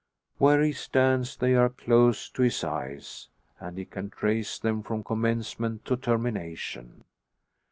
Where he stands they are close to his eyes, and he can trace them from commencement to termination.